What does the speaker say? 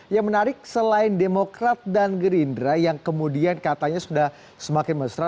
yang menarik selain demokrat dan gerindra yang kemudian katanya sudah semakin mesra